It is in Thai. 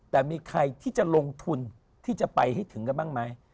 แต่มีใครที่จะลงทุนที่จะไปให้ถึงกันบ้างไหม